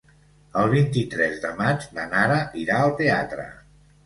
El vint-i-tres de maig na Nara irà al teatre.